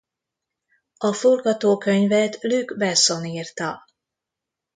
A forgatókönyvet Luc Besson írta.